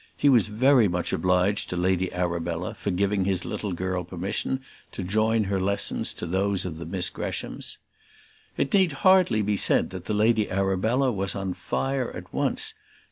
He was very much obliged to Lady Arabella for giving his little girl permission to join her lessons to those of the Miss Greshams. It need hardly be said that the Lady Arabella was on fire at once.